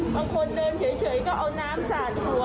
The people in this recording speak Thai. บางคนเดินเฉยก็เอาน้ำสาดหัว